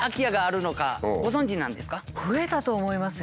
増えたと思いますよ。